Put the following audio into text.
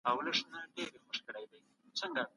متوازن خواړه وخورئ.